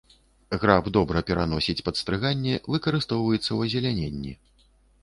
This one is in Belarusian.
Граб добра пераносіць падстрыганне, выкарыстоўваецца ў азеляненні.